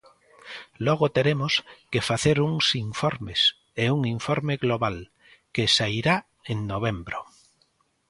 Logo teremos que facer uns informes e un informe global, que sairá en novembro.